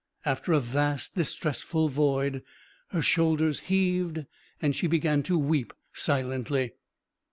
After a vast, distressful void her shoulders heaved and she began to weep silently.